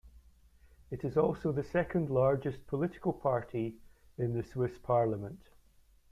It is also the second largest political party in the Swiss parliament.